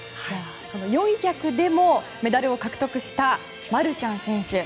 その４００でもメダルを獲得したマルシャン選手